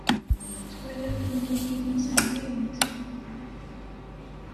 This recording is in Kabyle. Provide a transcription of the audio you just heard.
Ttwaliɣ timliliyin sseɛyayent.